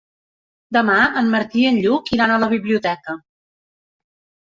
Demà en Martí i en Lluc iran a la biblioteca.